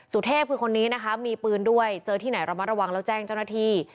สุเทพคือคนนี้นะคะมีปืนด้วยเจอที่ไหนระมัดระวังแล้วแจ้งเจ้าหน้าที่